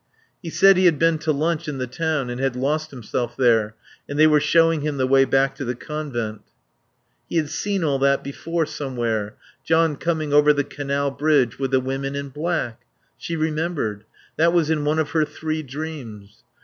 He said he had been to lunch in the town and had lost himself there and they were showing him the way back to the Convent. She had seen all that before somewhere, John coming over the Canal bridge with the women in black.... She remembered. That was in one of her three dreams.